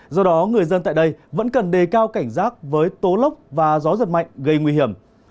do đó người dân tại đây vẫn cần đề cao cảnh giác với tố lốc và gió giật mạnh gây nguy hiểm